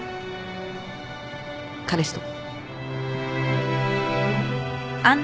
彼氏と。